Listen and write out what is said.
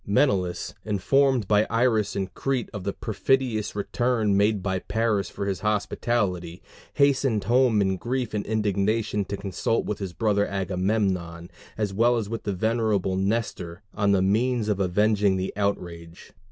Menelaus, informed by Iris in Crete of the perfidious return made by Paris for his hospitality, hastened home in grief and indignation to consult with his brother Agamemnon, as well as with the venerable Nestor, on the means of avenging the outrage.